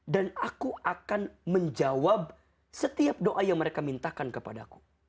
dan aku akan menjawab setiap doa yang mereka mintakan kepada aku